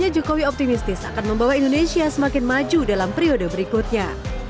jokowi optimistis akan membawa indonesia semakin maju dalam periode berikutnya